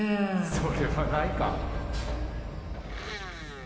それはないか。